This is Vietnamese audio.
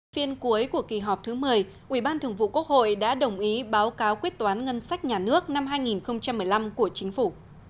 phiên cuối của kỳ họp thứ một mươi ủy ban thường vụ quốc hội đã đồng ý báo cáo quyết toán ngân sách nhà nước năm hai nghìn một mươi năm của chính phủ